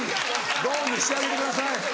ドン！にしてあげてください。